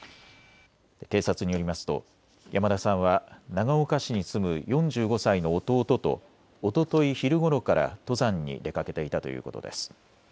警察によりますと山田さんは長岡市に住む４５歳の弟とおととい昼ごろから登山に出かけていたということです。